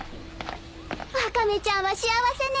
ワカメちゃんは幸せね。